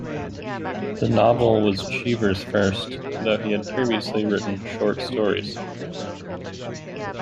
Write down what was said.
The novel was Cheever's first, though he had previously written short stories.